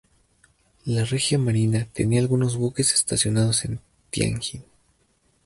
La Regia Marina tenía algunos buques estacionados en Tianjin.